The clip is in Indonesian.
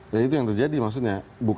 dan itu yang terjadi maksudnya